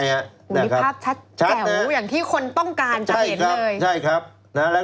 วิภาพแจ่งอย่างที่คนต้องการจัดเห็นเลย